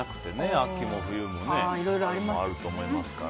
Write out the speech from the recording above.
秋も冬もあると思いますから。